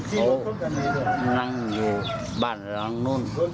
เขานั่งอยู่บ้านหลังนู้น